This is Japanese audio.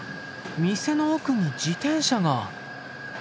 店の奥に自転車が。